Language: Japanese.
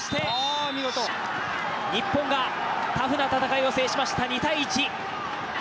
日本がタフな戦いを制しました。